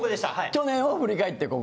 去年を振り返ってここ。